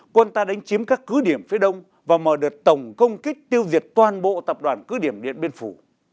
quân ta đánh chiếm các cứ điểm phía đông và mở đợt tổng công kích tiêu diệt toàn bộ tập đoàn cứ điểm điện biên phủ